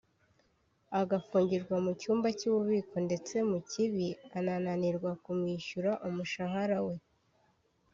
agafungirwa mu cyumba cy’ububiko ndetse Mukibi anananirwa kumwishyura umushahara we”